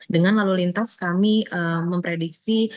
dengan lalu lintas kami memprediksi